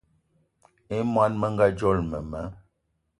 I món menga dzolo mema